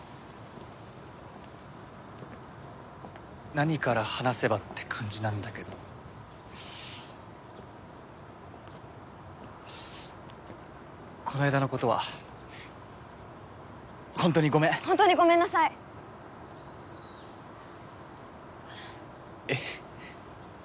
何から話せばって感じなんだけどこないだのことはほんとにごめんほんとにごめんなさいえっ？